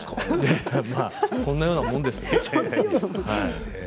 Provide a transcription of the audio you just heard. そんなようなものです。